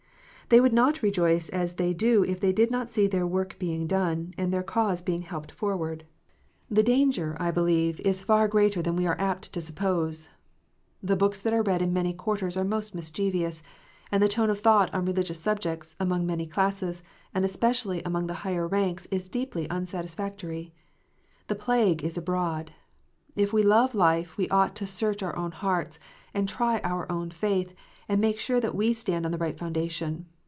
They would not rejoice as they do if they did not see their work being done, and their cause being helped forward. The PHARISEES AND SADDUCEES. 333 danger, I believe, is far greater than we are apt to suppose. The books that are read in many quarters are most mischievous, and the tone of thought on religious subjects, among many classes, and especially among the higher ranks, is deeply unsatisfactory. The plague is abroad. If we love life, we ought to search our own hearts, and try our own faith, and make sure that we stand on the right foundation.